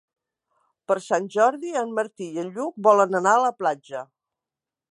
Per Sant Jordi en Martí i en Lluc volen anar a la platja.